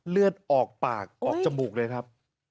เลือดออกปากออกจมูกเลยครับ